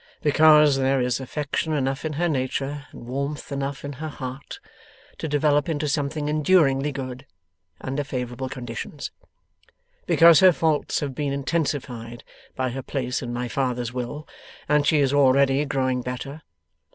Because there is affection enough in her nature, and warmth enough in her heart, to develop into something enduringly good, under favourable conditions. Because her faults have been intensified by her place in my father's will, and she is already growing better.